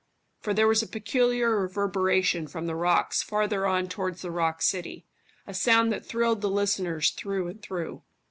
For there was a peculiar reverberation from the rocks farther on towards the rock city a sound that thrilled the listeners through and through.